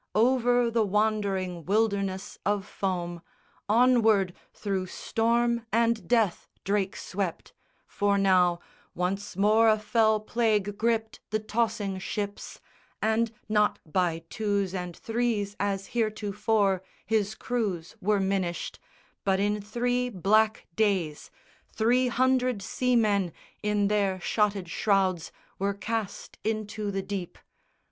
Over the wandering wilderness of foam, Onward, through storm and death, Drake swept; for now Once more a fell plague gripped the tossing ships, And not by twos and threes as heretofore His crews were minished; but in three black days Three hundred seamen in their shotted shrouds Were cast into the deep.